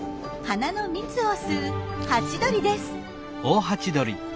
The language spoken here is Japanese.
花の蜜を吸うハチドリです。